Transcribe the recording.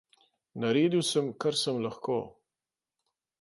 Naredil sem, kar sem lahko.